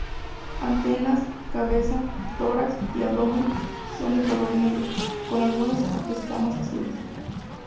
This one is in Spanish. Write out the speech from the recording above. Antenas, cabeza, tórax y abdomen son de color negro, con algunas escamas azules.